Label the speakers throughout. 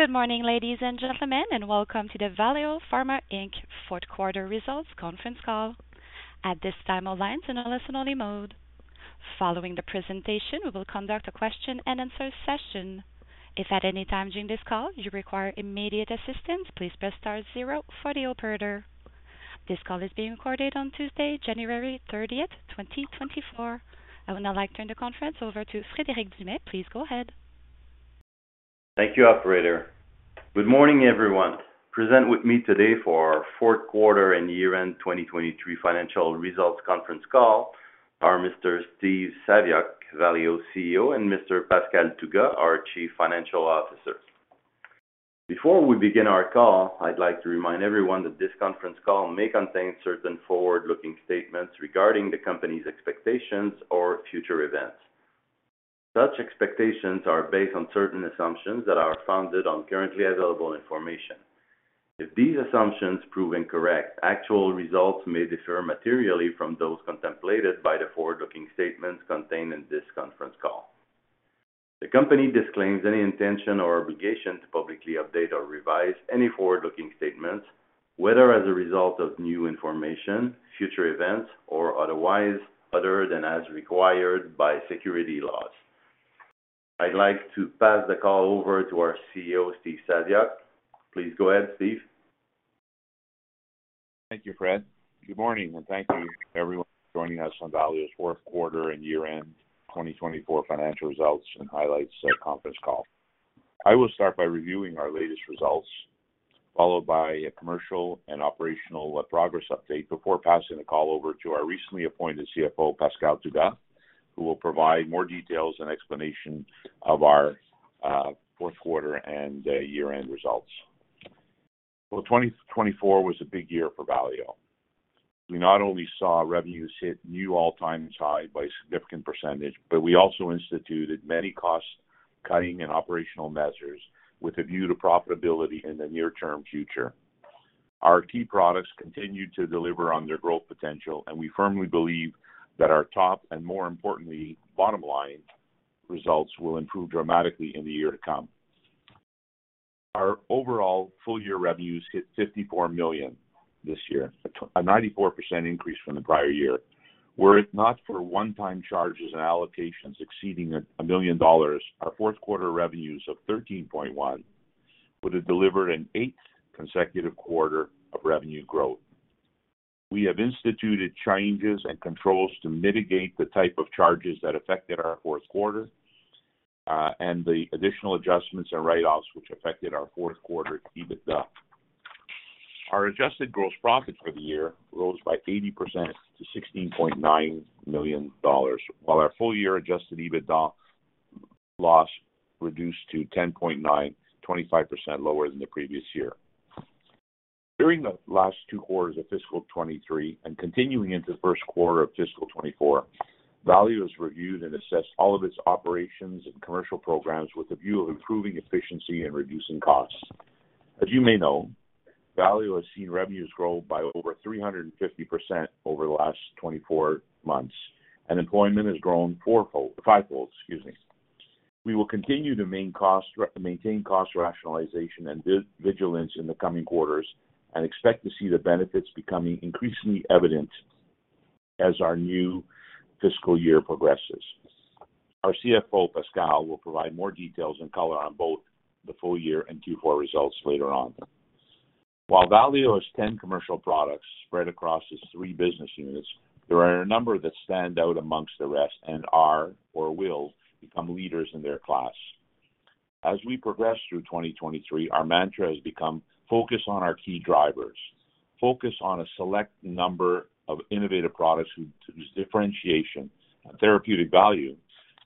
Speaker 1: Good morning, ladies and gentlemen, and welcome to the Valeo Pharma Inc. Fourth Quarter Results Conference Call. At this time, all lines in a listen-only mode. Following the presentation, we will conduct a question-and-answer session. If at any time during this call you require immediate assistance, please press star zero for the operator. This call is being recorded on Tuesday, January 30th, 2024. I would now like to turn the conference over to Frederic Dumais. Please go ahead.
Speaker 2: Thank you, operator. Good morning, everyone. Present with me today for our Fourth Quarter and Year-end 2023 Financial Results Conference Call are Mr. Steve Saviuk, Valeo CEO, and Mr. Pascal Tougas, our Chief Financial Officer. Before we begin our call, I'd like to remind everyone that this conference call may contain certain forward-looking statements regarding the company's expectations or future events. Such expectations are based on certain assumptions that are founded on currently available information. If these assumptions prove incorrect, actual results may differ materially from those contemplated by the forward-looking statements contained in this conference call. The company disclaims any intention or obligation to publicly update or revise any forward-looking statements, whether as a result of new information, future events, or otherwise, other than as required by securities laws. I'd like to pass the call over to our CEO, Steve Saviuk. Please go ahead, Steve.
Speaker 3: Thank you, Fred. Good morning, and thank you everyone for joining us on Valeo's Fourth Quarter and Year-end 2024 Financial Results and Highlights Conference Call. I will start by reviewing our latest results, followed by a commercial and operational progress update before passing the call over to our recently appointed CFO, Pascal Tougas, who will provide more details and explanation of our Fourth Quarter and Year-end Results. Well, 2024 was a big year for Valeo. We not only saw revenues hit new all-time high by a significant percentage, but we also instituted many cost-cutting and operational measures with a view to profitability in the near-term future. Our key products continued to deliver on their growth potential, and we firmly believe that our top and, more importantly, bottom line results will improve dramatically in the year to come. Our overall full-year revenues hit 54 million this year, a 94% increase from the prior year. Were it not for one-time charges and allocations exceeding 1 million dollars, our fourth quarter revenues of 13.1 million would have delivered an 8th consecutive quarter of revenue growth. We have instituted changes and controls to mitigate the type of charges that affected our fourth quarter and the additional adjustments and write-offs, which affected our fourth quarter EBITDA. Our adjusted gross profits for the year rose by 80% to 16.9 million dollars, while our full-year adjusted EBITDA loss reduced to 10.9 million, 25% lower than the previous year. During the last two quarters of fiscal 2023 and continuing into the first quarter of fiscal 2024, Valeo has reviewed and assessed all of its operations and commercial programs with a view of improving efficiency and reducing costs. As you may know, Valeo has seen revenues grow by over 350% over the last 24 months, and employment has grown fourfold, fivefold, excuse me. We will continue to maintain cost rationalization and vigilance in the coming quarters and expect to see the benefits becoming increasingly evident as our new fiscal year progresses. Our CFO, Pascal, will provide more details and color on both the full year and Q4 results later on. While Valeo has 10 commercial products spread across its three business units, there are a number that stand out among the rest and are or will become leaders in their class. As we progress through 2023, our mantra has become focus on our key drivers. Focus on a select number of innovative products whose differentiation and therapeutic value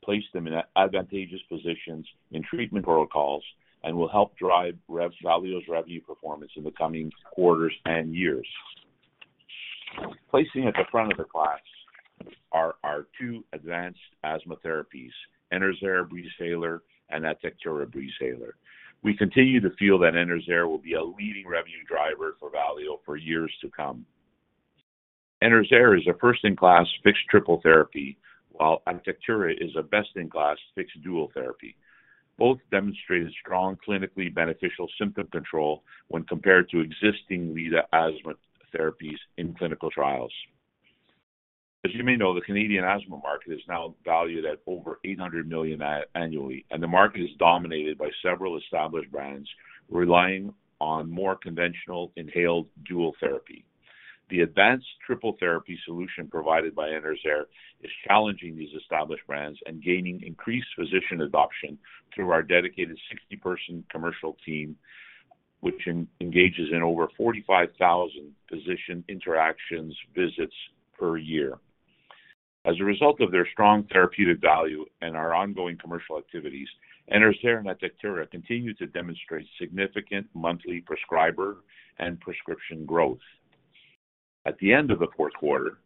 Speaker 3: place them in advantageous positions in treatment protocols and will help drive Valeo's revenue performance in the coming quarters and years. Placing at the front of the class are our two advanced asthma therapies, Enerzair Breezhaler and Atectura Breezhaler. We continue to feel that Enerzair will be a leading revenue driver for Valeo for years to come. Enerzair is a first-in-class fixed triple therapy, while Atectura is a best-in-class fixed dual therapy. Both demonstrated strong, clinically beneficial symptom control when compared to existing lead asthma therapies in clinical trials. As you may know, the Canadian asthma market is now valued at over 800 million annually, and the market is dominated by several established brands relying on more conventional inhaled dual therapy. The advanced triple therapy solution provided by Enerzair is challenging these established brands and gaining increased physician adoption through our dedicated 60-person commercial team, which engages in over 45,000 physician interactions, visits per year. As a result of their strong therapeutic value and our ongoing commercial activities, Enerzair and Atectura continue to demonstrate significant monthly prescriber and prescription growth. At the end of the fourth quarter,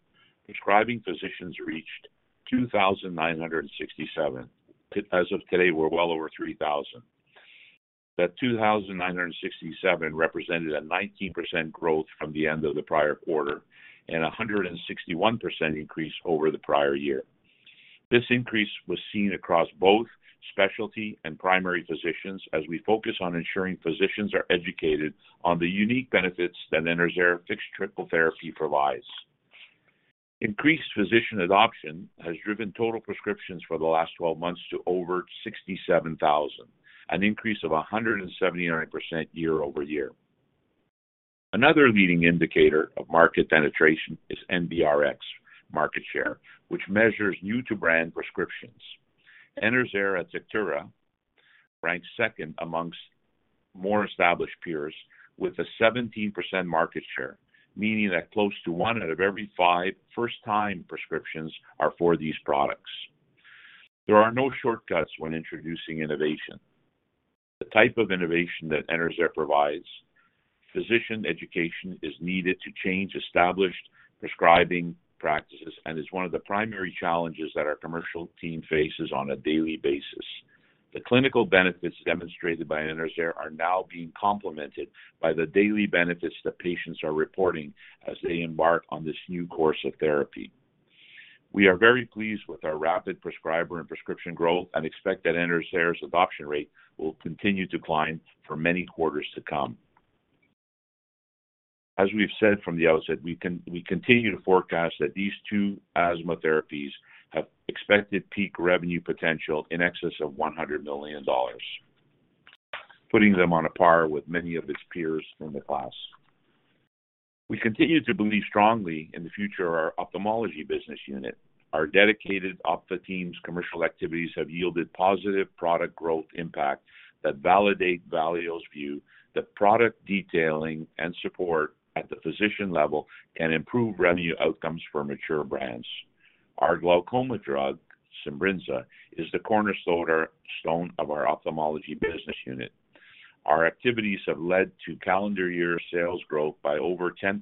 Speaker 3: prescribing physicians reached 2,967. As of today, we're well over 3,000. That 2,967 represented a 19% growth from the end of the prior quarter and a 161% increase over the prior year. This increase was seen across both specialty and primary physicians, as we focus on ensuring physicians are educated on the unique benefits that Enerzair fixed triple therapy provides. Increased physician adoption has driven total prescriptions for the last twelve months to over 67,000, an increase of 179% year-over-year. Another leading indicator of market penetration is NBRx market share, which measures new to brand prescriptions. Enerzair and Atectura ranked second amongst more established peers with a 17% market share, meaning that close to one out of every five first-time prescriptions are for these products. There are no shortcuts when introducing innovation. The type of innovation that Enerzair provides, physician education is needed to change established prescribing practices and is one of the primary challenges that our commercial team faces on a daily basis. The clinical benefits demonstrated by Enerzair are now being complemented by the daily benefits that patients are reporting as they embark on this new course of therapy. We are very pleased with our rapid prescriber and prescription growth and expect that Enerzair's adoption rate will continue to climb for many quarters to come. As we've said from the outset, we continue to forecast that these two asthma therapies have expected peak revenue potential in excess of 100 million dollars, putting them on a par with many of its peers in the class. We continue to believe strongly in the future of our Ophthalmology business unit. Our dedicated ophtha team's commercial activities have yielded positive product growth impact that validate Valeo's view that product detailing and support at the physician level can improve revenue outcomes for mature brands. Our glaucoma drug, Simbrinza, is the cornerstone of our Ophthalmology business unit. Our activities have led to calendar year sales growth by over 10%.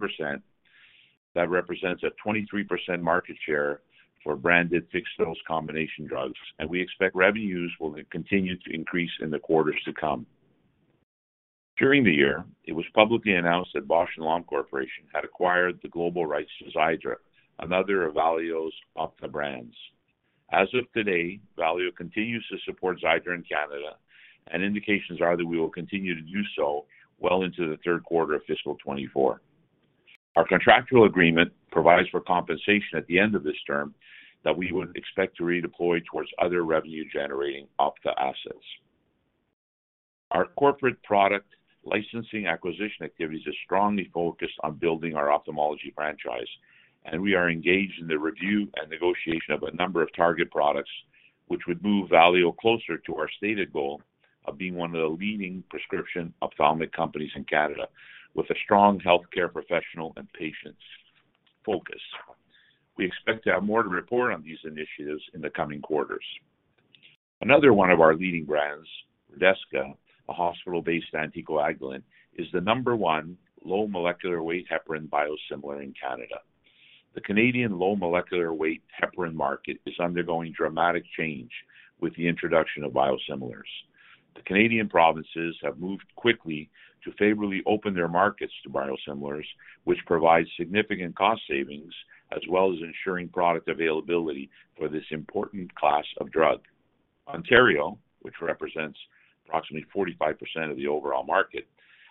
Speaker 3: That represents a 23% market share for branded fixed-dose combination drugs, and we expect revenues will continue to increase in the quarters to come. During the year, it was publicly announced that Bausch + Lomb Corporation had acquired the global rights to Xiidra, another of Valeo's ophtha brands. As of today, Valeo continues to support Xiidra in Canada, and indications are that we will continue to do so well into the third quarter of fiscal 2024. Our contractual agreement provides for compensation at the end of this term that we would expect to redeploy towards other revenue-generating ophtha assets. Our corporate product licensing acquisition activities are strongly focused on building our Ophthalmology franchise, and we are engaged in the review and negotiation of a number of target products, which would move Valeo closer to our stated goal of being one of the leading prescription ophthalmic companies in Canada, with a strong healthcare professional and patients focus. We expect to have more to report on these initiatives in the coming quarters. Another one of our leading brands, Redesca, a hospital-based anticoagulant, is the number one low molecular weight heparin biosimilar in Canada. The Canadian low molecular weight heparin market is undergoing dramatic change with the introduction of biosimilars. The Canadian provinces have moved quickly to favorably open their markets to biosimilars, which provides significant cost savings, as well as ensuring product availability for this important class of drug. Ontario, which represents approximately 45% of the overall market,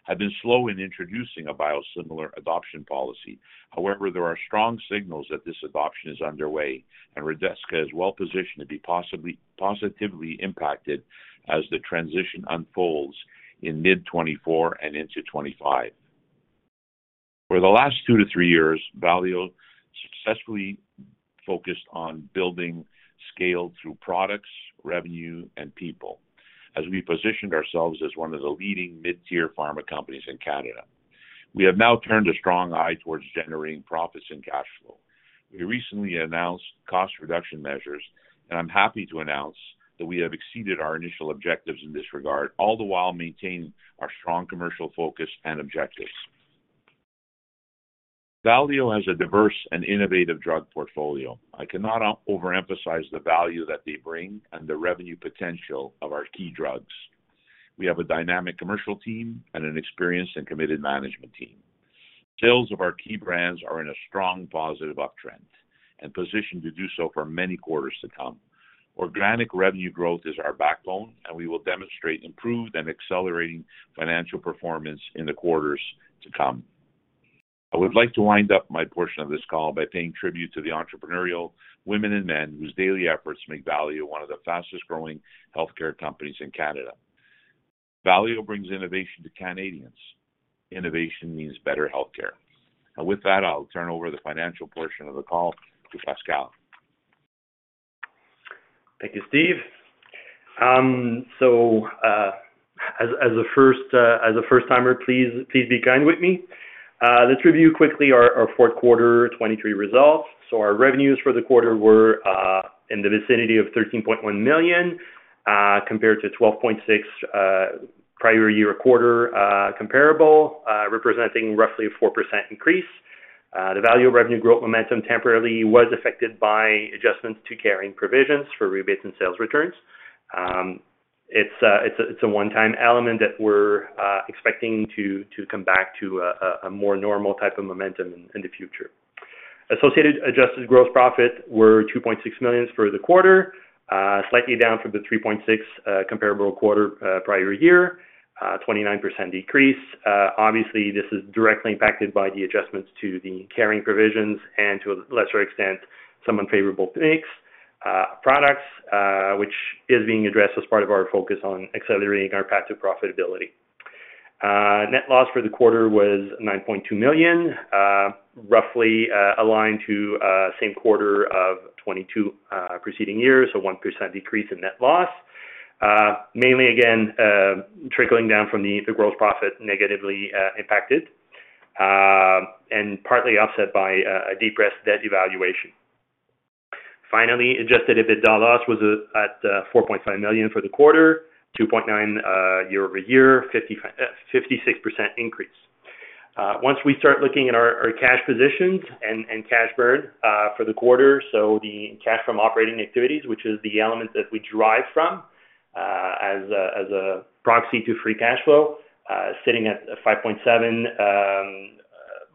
Speaker 3: have been slow in introducing a biosimilar adoption policy. However, there are strong signals that this adoption is underway, and Redesca is well positioned to be possibly positively impacted as the transition unfolds in mid-2024 and into 2025. For the last two to three years, Valeo successfully focused on building scale through products, revenue, and people. As we positioned ourselves as one of the leading mid-tier pharma companies in Canada, we have now turned a strong eye towards generating profits and cash flow. We recently announced cost reduction measures, and I'm happy to announce that we have exceeded our initial objectives in this regard, all the while maintaining our strong commercial focus and objectives. Valeo has a diverse and innovative drug portfolio. I cannot overemphasize the value that they bring and the revenue potential of our key drugs. We have a dynamic commercial team and an experienced and committed management team. Sales of our key brands are in a strong positive uptrend and positioned to do so for many quarters to come. Organic revenue growth is our backbone, and we will demonstrate improved and accelerating financial performance in the quarters to come. I would like to wind up my portion of this call by paying tribute to the entrepreneurial women and men whose daily efforts make Valeo one of the fastest-growing healthcare companies in Canada. Valeo brings innovation to Canadians. Innovation means better healthcare. With that, I'll turn over the financial portion of the call to Pascal.
Speaker 4: Thank you, Steve. So, as a first-timer, please be kind with me. Let's review quickly our Fourth Quarter 2023 Results. Our revenues for the quarter were in the vicinity of 13.1 million, compared to 12.6 million prior-year comparable quarter, representing roughly a 4% increase. The Valeo revenue growth momentum temporarily was affected by adjustments to carrying provisions for rebates and sales returns. It's a one-time element that we're expecting to come back to a more normal type of momentum in the future. Associated adjusted gross profit were 2.6 million for the quarter, slightly down from 3.6 million comparable quarter prior year, 29% decrease. Obviously, this is directly impacted by the adjustments to the carrying provisions and to a lesser extent, some unfavorable mix, products, which is being addressed as part of our focus on accelerating our path to profitability. Net loss for the quarter was 9.2 million, roughly, aligned to same quarter of 2022, preceding years, so 1% decrease in net loss. Mainly again, trickling down from the, the gross profit negatively, impacted, and partly offset by a, a depressed debt devaluation. Finally, Adjusted EBITDA loss was at 4.5 million for the quarter, 2.9, year-over-year, 56% increase. Once we start looking at our cash positions and cash burn for the quarter, so the cash from operating activities, which is the element that we derive from as a proxy to free cash flow, sitting at a 5.7 million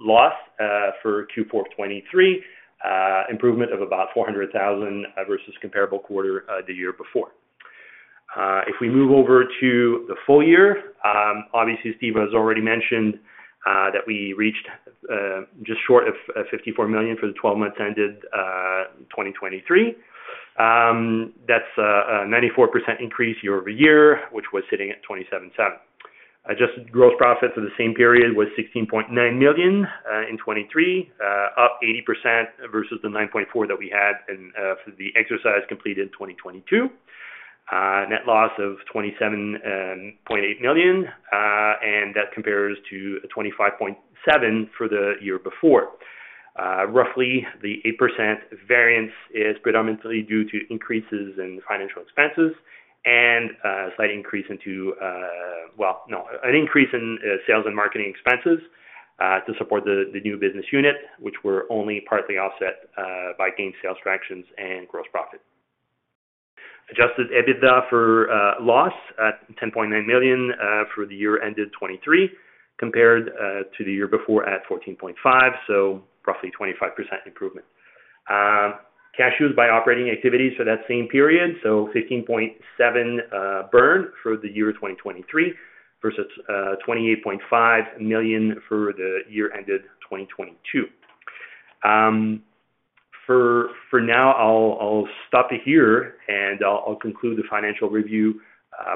Speaker 4: loss for Q4 2023, improvement of about 400,000 versus comparable quarter the year before. If we move over to the full year, obviously, Steve has already mentioned that we reached just short of 54 million for the twelve months ended 2023. That's a 94% increase year-over-year, which was sitting at 27.7 million. Adjusted gross profit for the same period was 16.9 million in 2023, up 80% versus the 9.4 million that we had for the exercise completed in 2022. Net loss of 27.8 million, and that compares to a 25.7 million for the year before. Roughly, the 8% variance is predominantly due to increases in financial expenses and an increase in sales and marketing expenses to support the new business unit, which were only partly offset by gained sales tractions and gross profit. Adjusted EBITDA loss at 10.9 million for the year ended 2023, compared to the year before at 14.5 million, so roughly 25% improvement. Cash used by operating activities for that same period, so 15.7 million burn for the year 2023 versus 28.5 million for the year ended 2022. For now, I'll stop it here, and I'll conclude the financial review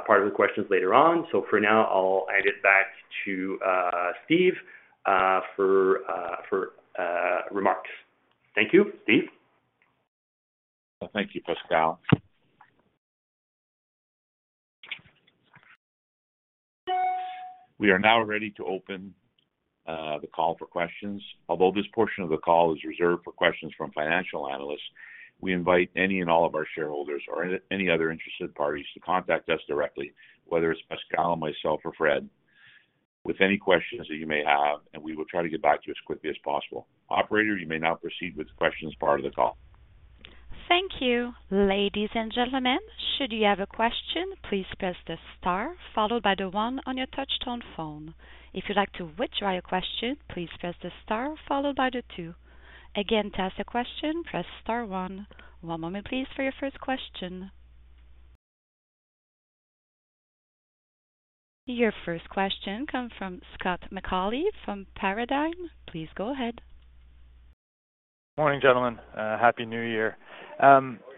Speaker 4: part of the questions later on. So for now, I'll hand it back to Steve for remarks. Thank you. Steve?
Speaker 3: Thank you, Pascal. We are now ready to open the call for questions. Although this portion of the call is reserved for questions from financial analysts, we invite any and all of our shareholders or any other interested parties to contact us directly, whether it's Pascal, myself, or Fred, with any questions that you may have, and we will try to get back to you as quickly as possible. Operator, you may now proceed with the questions part of the call.
Speaker 1: Thank you. Ladies and gentlemen, should you have a question, please press the star followed by the one on your touchtone phone. If you'd like to withdraw your question, please press the star followed by the two. Again, to ask a question, press star one. One moment, please, for your first question. Your first question comes from Scott McAuley from Paradigm. Please go ahead.
Speaker 5: Morning, gentlemen. Happy New Year.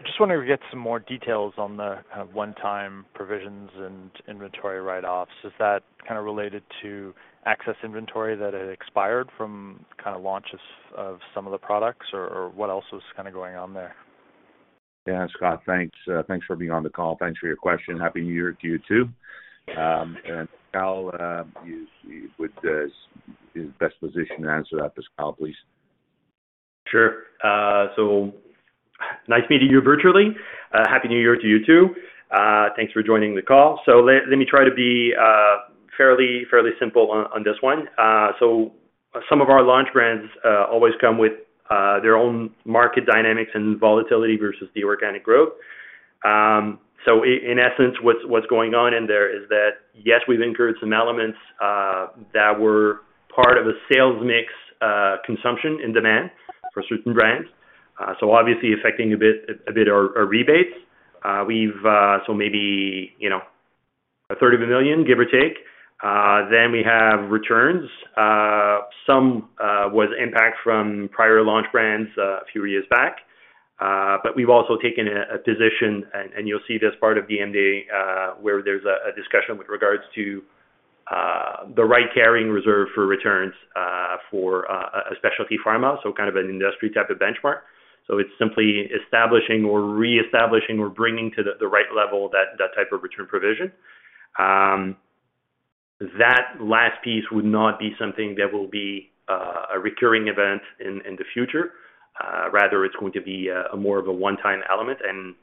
Speaker 5: Just wanted to get some more details on the kind of one-time provisions and inventory write-offs. Is that kind of related to access inventory that had expired from kind of launches of some of the products? Or, or what else was kind of going on there?
Speaker 3: Yeah, Scott, thanks. Thanks for being on the call. Thanks for your question. Happy New Year to you, too. And Pascal, you would be in the best position to answer that. Pascal, please.
Speaker 4: Sure. So nice meeting you virtually. Happy New Year to you, too. Thanks for joining the call. So let me try to be fairly simple on this one. So some of our launch brands always come with their own market dynamics and volatility versus the organic growth. In essence, what's going on in there is that, yes, we've incurred some elements that were part of a sales mix, consumption and demand for certain brands. So obviously affecting a bit our rebates. We've so maybe, you know, 333,333, give or take. Then we have returns. Some impact from prior launch brands a few years back, but we've also taken a position, and you'll see this part of the MD&A, where there's a discussion with regards to the right carrying reserve for returns, for a specialty pharma, so kind of an industry type of benchmark. So it's simply establishing or reestablishing or bringing to the right level that type of return provision. That last piece would not be something that will be a recurring event in the future. Rather, it's going to be a more of a one-time element. And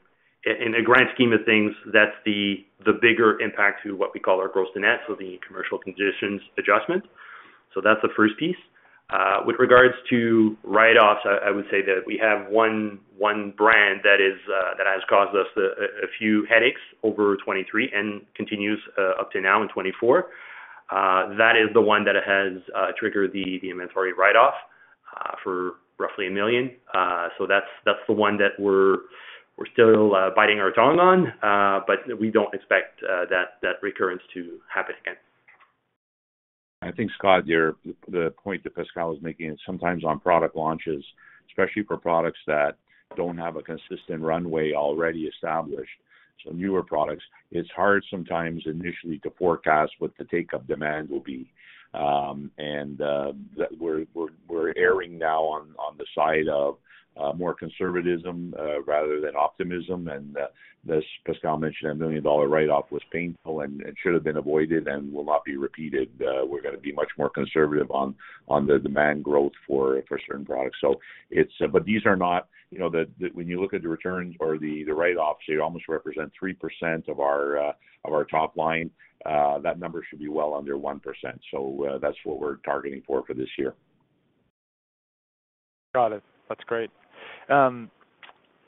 Speaker 4: in the grand scheme of things, that's the bigger impact to what we call our gross to net, so the commercial conditions adjustment. So that's the first piece. With regards to write-offs, I would say that we have one brand that has caused us a few headaches over 2023 and continues up to now in 2024. That is the one that has triggered the inventory write-off for roughly 1 million. So that's the one that we're still biting our tongue on, but we don't expect that recurrence to happen again.
Speaker 3: I think, Scott, you're the point that Pascal is making, is sometimes on product launches, especially for products that don't have a consistent runway already established, so newer products, it's hard sometimes initially to forecast what the take-up demand will be. And that we're erring now on the side of more conservatism rather than optimism. And as Pascal mentioned, a 1 million-dollar write-off was painful and should have been avoided and will not be repeated. We're gonna be much more conservative on the demand growth for certain products. So it's. But these are not. You know, the. When you look at the returns or the write-offs, they almost represent 3% of our top line. That number should be well under 1%. So that's what we're targeting for this year.
Speaker 5: Got it. That's great.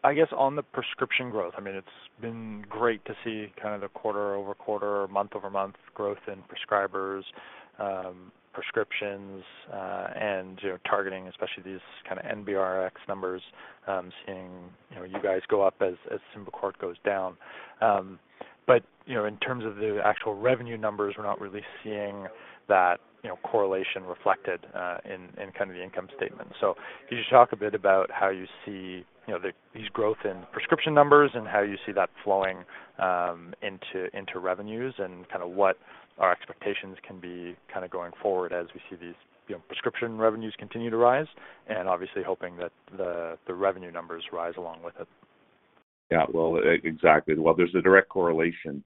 Speaker 5: I guess on the prescription growth, I mean, it's been great to see kind of the quarter-over-quarter, month-over-month growth in prescribers, prescriptions, and, you know, targeting, especially these kind of NBRx numbers, seeing, you know, you guys go up as, as Symbicort goes down. But, you know, in terms of the actual revenue numbers, we're not really seeing that, you know, correlation reflected, in, in kind of the income statement. So could you talk a bit about how you see, you know, the- these growth in prescription numbers and how you see that flowing, into, into revenues, and kind of what our expectations can be kind of going forward as we see these, you know, prescription revenues continue to rise, and obviously hoping that the, the revenue numbers rise along with it?
Speaker 3: Yeah. Well, exactly. Well, there's a direct correlation.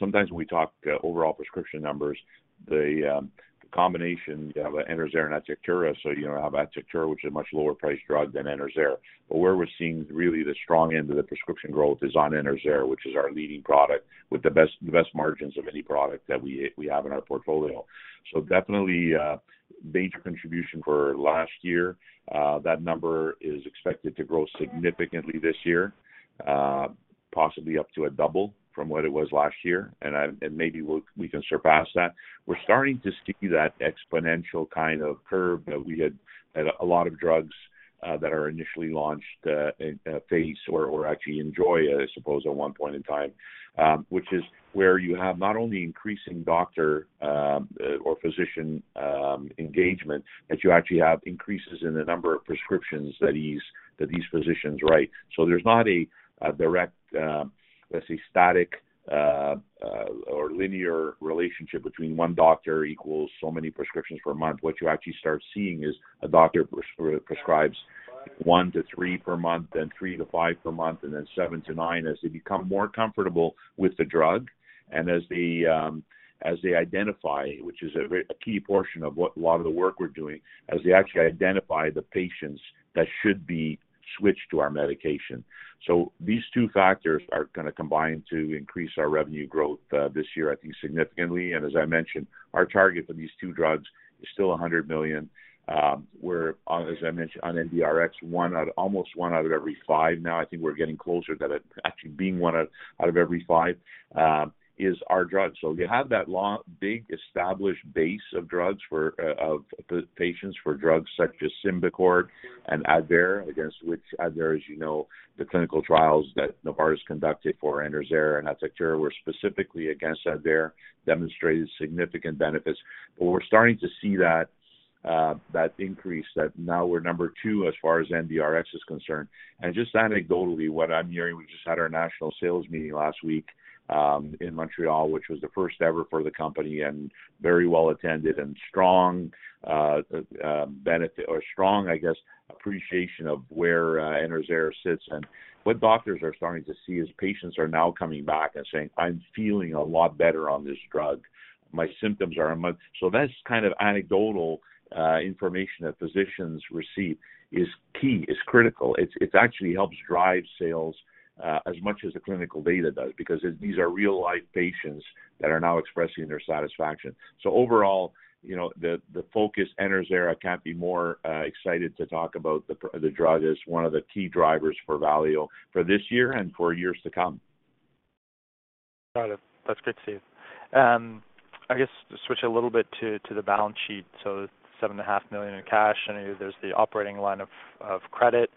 Speaker 3: Sometimes when we talk overall prescription numbers, the combination of the Enerzair and Atectura, so you now have Atectura, which is a much lower priced drug than Enerzair. But where we're seeing really the strong end of the prescription growth is on Enerzair, which is our leading product, with the best, the best margins of any product that we have in our portfolio. So definitely a major contribution for last year. That number is expected to grow significantly this year, possibly up to a double from what it was last year, and maybe we can surpass that. We're starting to see that exponential kind of curve that we had at a lot of drugs that are initially launched for Enerzair, I suppose, at one point in time. Which is where you have not only increasing doctor or physician engagement, but you actually have increases in the number of prescriptions that these physicians write. So there's not a direct, let's say, static or linear relationship between one doctor equals so many prescriptions per month. What you actually start seeing is a doctor prescribes 1-3 per month, then 3-5 per month, and then 7-9, as they become more comfortable with the drug. As they identify, which is a very key portion of what a lot of the work we're doing, as they actually identify the patients that should be switched to our medication. So these two factors are gonna combine to increase our revenue growth this year, I think, significantly. And as I mentioned, our target for these two drugs is still 100 million. As I mentioned, on NBRx, almost one out of every five now, I think we're getting closer to that, actually being one out of every five is our drug. So you have that long, big established base of drugs for of the patients, for drugs such as Symbicort and Advair, against which Advair, as you know, the clinical trials that Novartis conducted for Enerzair and Atectura were specifically against Advair, demonstrated significant benefits. But we're starting to see that, that increase, that now we're number two as far as NBRx is concerned. And just anecdotally, what I'm hearing, we just had our national sales meeting last week in Montreal, which was the first ever for the company, and very well attended and strong, I guess, appreciation of where Enerzair sits. And what doctors are starting to see is patients are now coming back and saying: I'm feeling a lot better on this drug. My symptoms are a much. So that's kind of anecdotal information that physicians receive is key, is critical. It actually helps drive sales as much as the clinical data does, because these are real-life patients that are now expressing their satisfaction. So overall, you know, the focus, Enerzair, I can't be more excited to talk about the drug as one of the key drivers for Valeo for this year and for years to come.
Speaker 5: Got it. That's good to see. I guess switch a little bit to the balance sheet. So 7.5 million in cash, and there's the operating line of credit.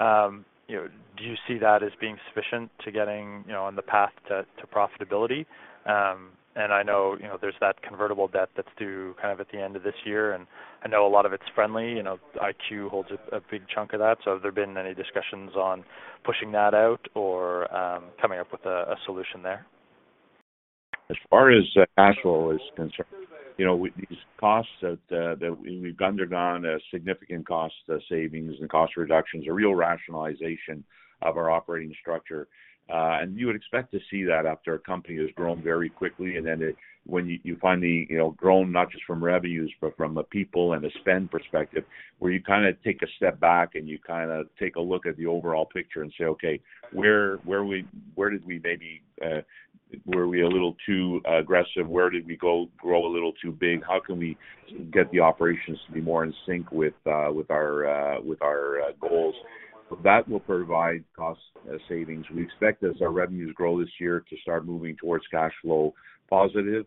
Speaker 5: You know, do you see that as being sufficient to getting, you know, on the path to profitability? And I know, you know, there's that convertible debt that's due kind of at the end of this year, and I know a lot of it's friendly. You know, IQ holds a big chunk of that. So have there been any discussions on pushing that out or coming up with a solution there?
Speaker 3: As far as cash flow is concerned, you know, with these costs that we've undergone a significant cost savings and cost reductions, a real rationalization of our operating structure. And you would expect to see that after a company has grown very quickly, and then it, when you finally, you know, grown not just from revenues, but from a people and a spend perspective, where you kind of take a step back and you kind of take a look at the overall picture and say, "Okay, where did we maybe, were we a little too aggressive? Where did we grow a little too big? How can we get the operations to be more in sync with our goals?" But that will provide cost savings. We expect as our revenues grow this year, to start moving towards cash flow positive,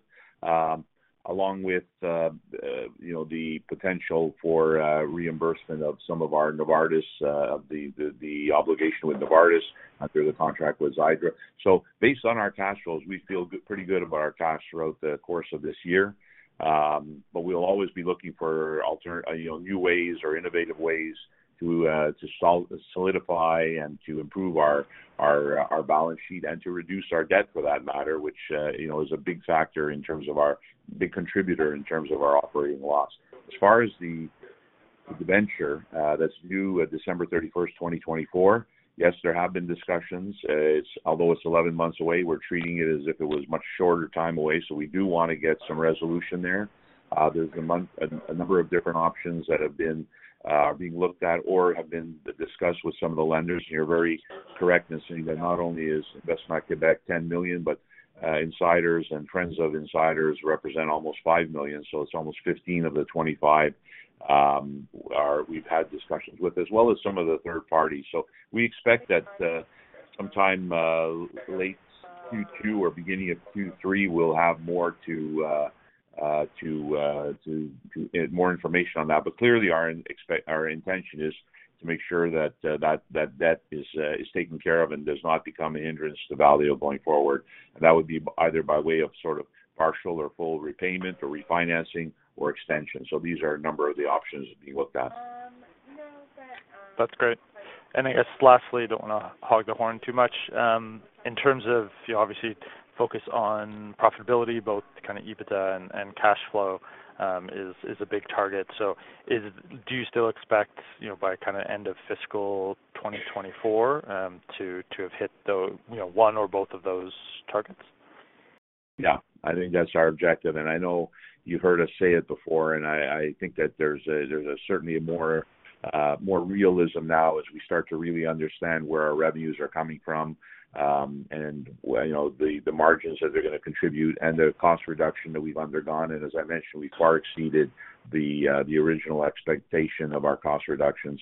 Speaker 3: along with, you know, the potential for, reimbursement of some of our Novartis, the obligation with Novartis through the contract with Xiidra. So based on our cash flows, we feel good, pretty good about our cash throughout the course of this year. But we'll always be looking for, you know, new ways or innovative ways to, to solidify and to improve our balance sheet and to reduce our debt, for that matter, which, you know, is a big factor in terms of our big contributor, in terms of our operating loss. As far as the venture that's due December 31st, 2024, yes, there have been discussions. It's although it's 11 months away, we're treating it as if it was a much shorter time away, so we do want to get some resolution there. There's a number of different options that have been, are being looked at or have been discussed with some of the lenders. And you're very correct in saying that not only is Investissement Québec, 10 million, but insiders and friends of insiders represent almost 5 million. So it's almost 15 of the 25, we've had discussions with, as well as some of the third parties. So we expect that, sometime, late Q2 or beginning of Q3, we'll have more to... more information on that. But clearly, our intention is to make sure that that debt is taken care of and does not become a hindrance to Valeo going forward. And that would be either by way of sort of partial or full repayment, or refinancing or extension. So these are a number of the options being looked at.
Speaker 5: That's great. And I guess lastly, I don't want to hog the horn too much. In terms of, you obviously focus on profitability, both kind of EBITDA and cash flow, is a big target. So is it - do you still expect, you know, by kind of end of fiscal 2024, to have hit those, you know, one or both of those targets?
Speaker 3: Yeah, I think that's our objective, and I know you've heard us say it before, and I, I think that there's a, there's certainly more realism now as we start to really understand where our revenues are coming from, and where, you know, the, the margins that they're going to contribute and the cost reduction that we've undergone. And as I mentioned, we far exceeded the original expectation of our cost reductions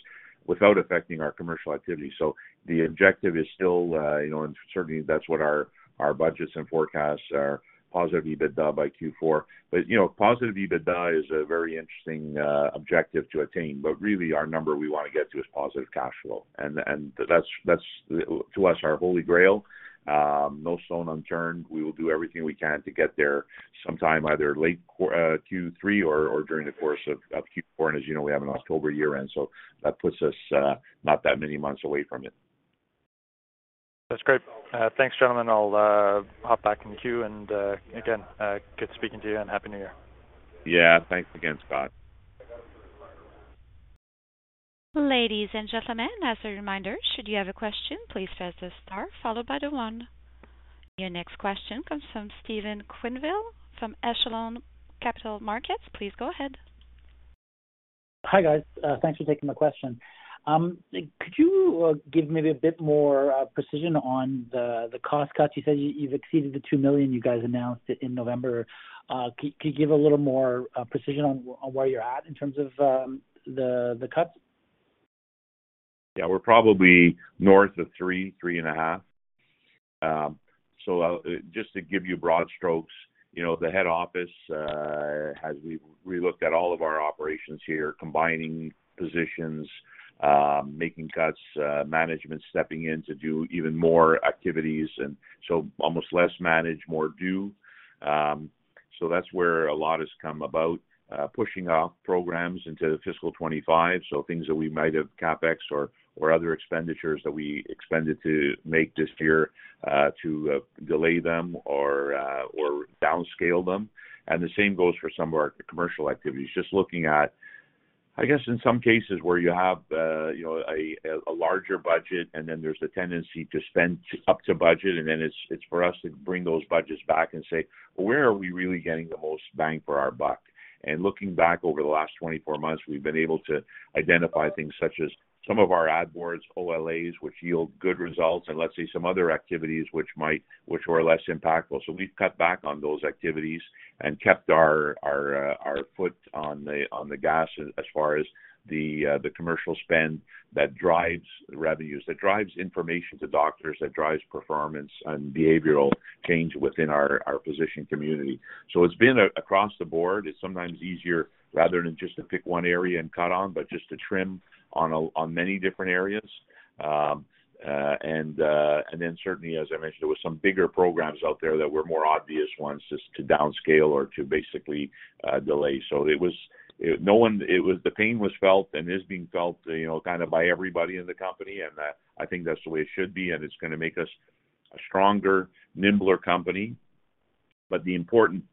Speaker 3: without affecting our commercial activity. So the objective is still, you know, and certainly that's what our, our budgets and forecasts are, positive EBITDA by Q4. But, you know, positive EBITDA is a very interesting objective to attain. But really our number we want to get to is positive cash flow, and, and that's, that's, to us, our holy grail. No stone unturned. We will do everything we can to get there sometime, either late Q3 or during the course of Q4. And as you know, we have an October year-end, so that puts us not that many months away from it.
Speaker 5: That's great. Thanks, gentlemen. I'll hop back in the queue, and again, good speaking to you and Happy New Year.
Speaker 3: Yeah. Thanks again, Scott.
Speaker 1: Ladies and gentlemen, as a reminder, should you have a question, please press the star followed by the one. Your next question comes from Stefan Quenneville, from Echelon Capital Markets. Please go ahead.
Speaker 6: Hi, guys, thanks for taking my question. Could you give maybe a bit more precision on the cost cuts? You said you've exceeded the 2 million you guys announced it in November. Could you give a little more precision on where you're at in terms of the cuts?
Speaker 3: Yeah, we're probably north of 3, 3.5. So, just to give you broad strokes, you know, the head office, as we relooked at all of our operations here, combining positions, making cuts, management stepping in to do even more activities, and so almost less manage, more do. So that's where a lot has come about, pushing off programs into fiscal 2025. So things that we might have CapEx or other expenditures that we expected to make this year, to delay them or downscale them. And the same goes for some of our commercial activities. Just looking at, I guess, in some cases where you have you know a larger budget, and then there's a tendency to spend up to budget, and then it's for us to bring those budgets back and say: Where are we really getting the most bang for our buck? And looking back over the last 24 months, we've been able to identify things such as some of our ad boards, OLAs, which yield good results, and let's say some other activities which were less impactful. So we've cut back on those activities and kept our foot on the gas as far as the commercial spend that drives revenues, that drives information to doctors, that drives performance and behavioral change within our physician community. So it's been across the board. It's sometimes easier, rather than just to pick one area and cut on, but just to trim on many different areas. Then certainly, as I mentioned, there were some bigger programs out there that were more obvious ones just to downscale or to basically delay. It was the pain was felt and is being felt, you know, kind of by everybody in the company, and I think that's the way it should be, and it's going to make us a stronger, nimbler company. But the important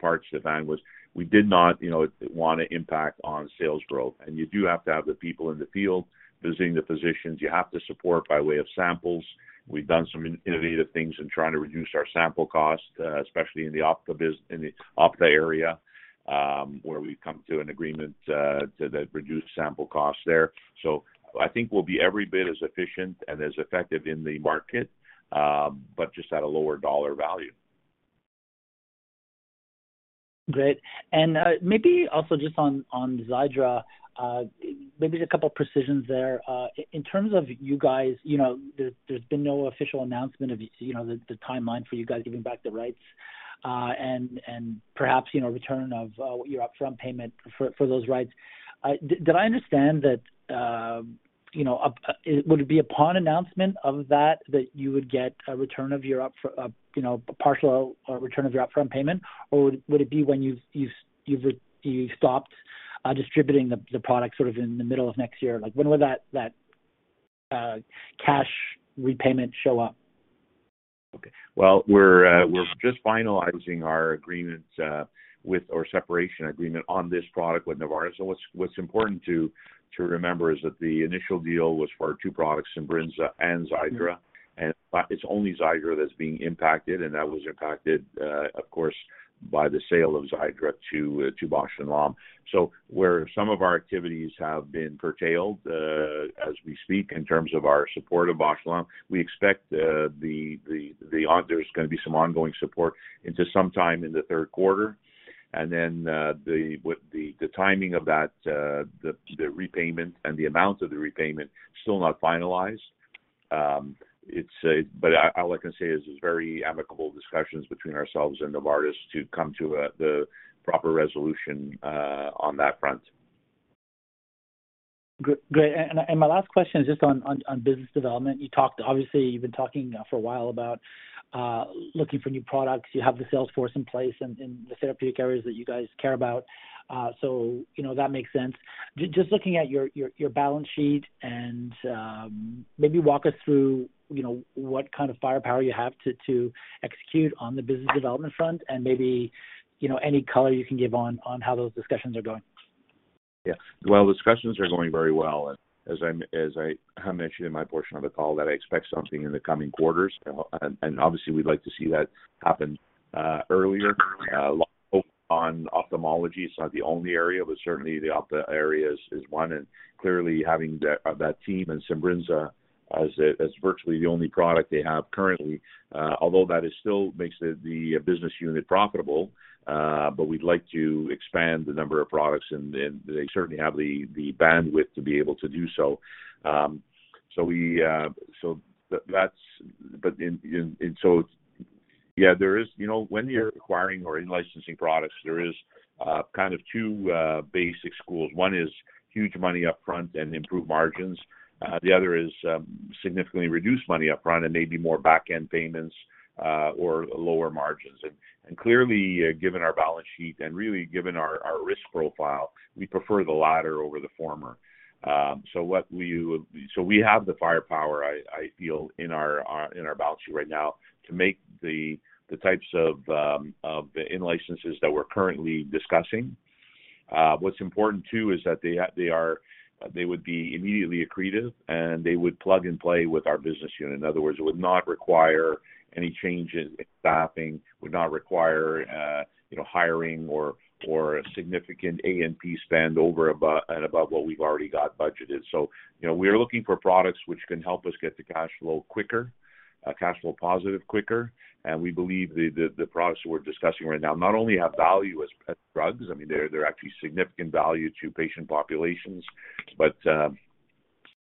Speaker 3: part, Stefan, was we did not, you know, want to impact on sales growth. And you do have to have the people in the field visiting the physicians. You have to support by way of samples. We've done some innovative things in trying to reduce our sample costs, especially in the ophtha biz in the ophtha area, where we've come to an agreement to reduce sample costs there. So I think we'll be every bit as efficient and as effective in the market, but just at a lower dollar value.
Speaker 6: Great. And maybe also just on Xiidra, maybe a couple of precisions there. In terms of you guys, you know, there's been no official announcement of, you know, the timeline for you guys giving back the rights, and perhaps, you know, return of your upfront payment for those rights. Did I understand that, you know, would it be upon announcement of that that you would get a return of your, you know, partial return of your upfront payment? Or would it be when you've stopped distributing the product sort of in the middle of next year? Like, when would that cash repayment show up?
Speaker 3: Okay. Well, we're just finalizing our agreements, with our separation agreement on this product with Novartis. So what's important to remember is that the initial deal was for our two products, Simbrinza and Xiidra, and but it's only Xiidra that's being impacted, and that was impacted, of course, by the sale of Xiidra to Bausch + Lomb. So where some of our activities have been curtailed, as we speak, in terms of our support of Bausch + Lomb, we expect there's going to be some ongoing support into sometime in the third quarter. And then, with the timing of that, the repayment and the amount of the repayment, still not finalized. It's a All I can say is it's very amicable discussions between ourselves and Novartis to come to the proper resolution on that front.
Speaker 6: Good. Great. And my last question is just on business development. You talked obviously, you've been talking for a while about looking for new products. You have the sales force in place and the therapeutic areas that you guys care about, so, you know, that makes sense. Just looking at your balance sheet and maybe walk us through, you know, what kind of firepower you have to execute on the business development front, and maybe, you know, any color you can give on how those discussions are going.
Speaker 3: Yeah. Well, discussions are going very well. As I'm, as I mentioned in my portion of the call, that I expect something in the coming quarters, and, and obviously, we'd like to see that happen, earlier. On ophthalmology, it's not the only area, but certainly the ophtha area is, is one, and clearly having that, that team and Simbrinza as the, as virtually the only product they have currently, although that is still makes the, the business unit profitable, but we'd like to expand the number of products, and, and they certainly have the, the bandwidth to be able to do so. So we, so that's. But in, in, and so, yeah, there is, you know, when you're acquiring or in-licensing products, there is, kind of two basic schools. One is huge money upfront and improved margins. The other is, significantly reduced money upfront and maybe more back-end payments, or lower margins. And clearly, given our balance sheet and really given our risk profile, we prefer the latter over the former. So what we would. So we have the firepower, I feel, in our balance sheet right now to make the types of in-licenses that we're currently discussing. What's important, too, is that they are, they would be immediately accretive, and they would plug and play with our business unit. In other words, it would not require any changes in staffing, would not require, you know, hiring or a significant A&P spend over above, and above what we've already got budgeted. So you know, we are looking for products which can help us get to cash flow quicker, cash flow positive quicker, and we believe the products we're discussing right now not only have value as drugs, I mean, they're actually significant value to patient populations, but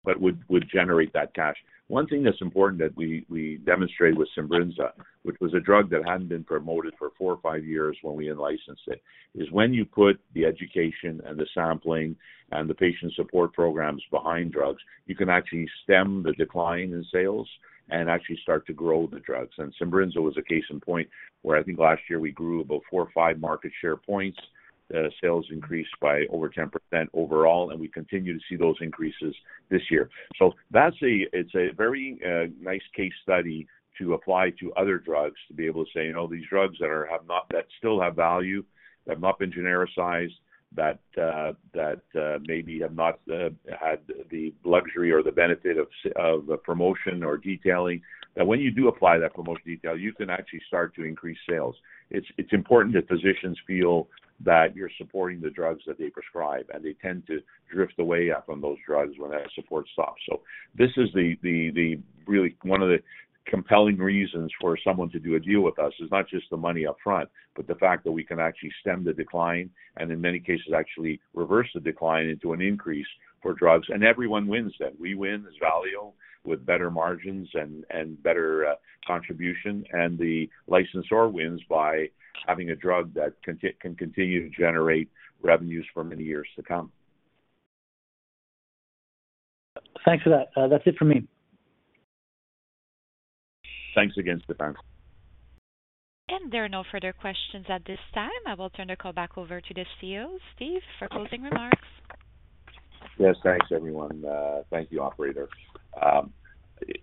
Speaker 3: but would generate that cash. One thing that's important that we demonstrated with Simbrinza, which was a drug that hadn't been promoted for four or five years when we in-licensed it, is when you put the education and the sampling and the patient support programs behind drugs, you can actually stem the decline in sales and actually start to grow the drugs. And Simbrinza was a case in point where I think last year we grew about four or five market share points. The sales increased by over 10% overall, and we continue to see those increases this year. So that's a, it's a very nice case study to apply to other drugs, to be able to say, you know, these drugs that are, have not, that still have value, that have not been genericized, that maybe have not had the luxury or the benefit of the promotion or detailing, that when you do apply that promotion detail, you can actually start to increase sales. It's important that physicians feel that you're supporting the drugs that they prescribe, and they tend to drift away up on those drugs when that support stops. So this is really one of the compelling reasons for someone to do a deal with us, is not just the money up front, but the fact that we can actually stem the decline, and in many cases, actually reverse the decline into an increase for drugs. And everyone wins then. We win as Valeo with better margins and better contribution, and the licensor wins by having a drug that can continue to generate revenues for many years to come.
Speaker 6: Thanks for that. That's it for me.
Speaker 3: Thanks again, Stefan.
Speaker 1: There are no further questions at this time. I will turn the call back over to the CEO, Steve, for closing remarks.
Speaker 3: Yes, thanks, everyone. Thank you, operator.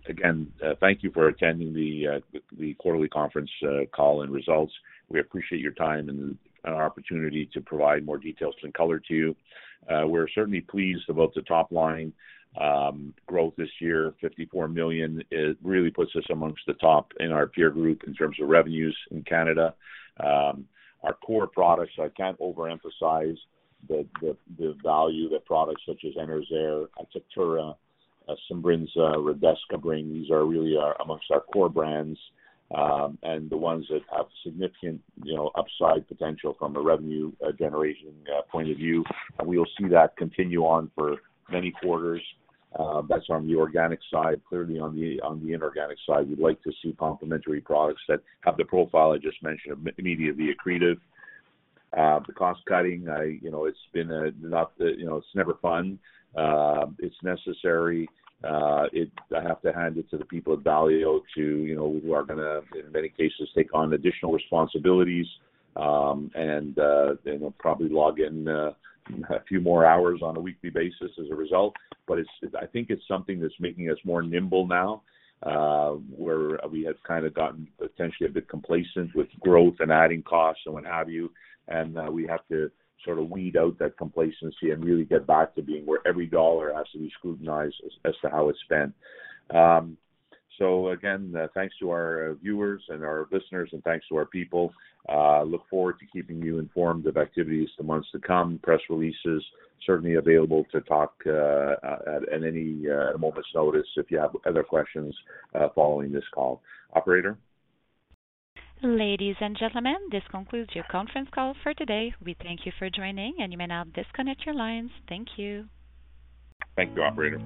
Speaker 3: Again, thank you for attending the quarterly conference call and results. We appreciate your time and an opportunity to provide more details and color to you. We're certainly pleased about the top line growth this year. 54 million, it really puts us amongst the top in our peer group in terms of revenues in Canada. Our core products, I can't overemphasize the value that products such as Enerzair, Atectura, Simbrinza, Redesca, these really are amongst our core brands, and the ones that have significant, you know, upside potential from a revenue generation point of view. And we will see that continue on for many quarters. That's on the organic side. Clearly on the inorganic side, we'd like to see complementary products that have the profile I just mentioned, immediately accretive. The cost cutting, you know, it's been not that, you know, it's never fun. It's necessary. I have to hand it to the people at Valeo, you know, who are gonna, in many cases, take on additional responsibilities. They will probably log in a few more hours on a weekly basis as a result. But it's, I think it's something that's making us more nimble now, where we had kinda gotten potentially a bit complacent with growth and adding costs so and have you. We have to sort of weed out that complacency and really get back to being where every dollar has to be scrutinized as to how it's spent. So again, thanks to our viewers and our listeners, and thanks to our people. Look forward to keeping you informed of activities in the months to come. Press releases certainly available to talk at any moment's notice if you have other questions following this call. Operator?
Speaker 1: Ladies and gentlemen, this concludes your conference call for today. We thank you for joining, and you may now disconnect your lines. Thank you.
Speaker 3: Thank you, operator.